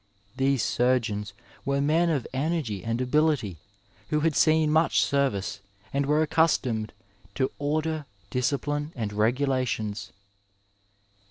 These surgeons were men of energy and ability, who had seen much service, and were accustomed to order, discipline and regulations.